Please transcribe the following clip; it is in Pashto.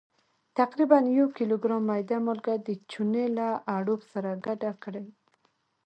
تقریبا یو کیلوګرام میده مالګه د چونې له اړوب سره ګډه کړئ.